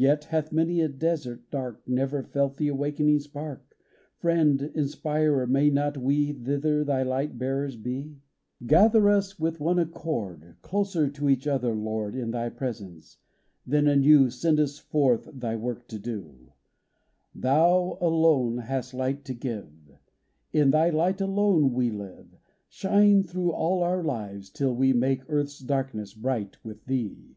Yet hath many a desert dark Never felt the awakening spark : Friend, Inspirer, may not we Thither Thy light bearers be ? Gather us with one accord Closer to each other, Lord, In Thy presence ; then anew Send us forth, Thy work to do ! Thou alone hast light to give ; In Thy light alone we live. Shine through all our lives, till we Make earth's darkness bright with Thee